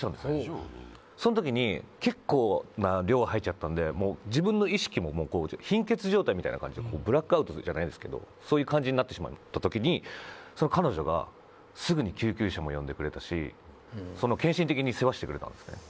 ほうそん時に結構な量吐いちゃったんでもう自分の意識も貧血状態みたいな感じでブラックアウトするじゃないですけどそういう感じになってしまった時にその彼女がすぐに救急車も呼んでくれたし献身的に世話してくれたんすね